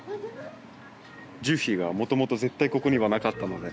樹皮がもともと絶対ここにはなかったので。